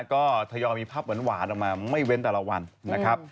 ก็ทยอยมีภาพหวานออกมาไม่เว้นแต่ละวันนะครับ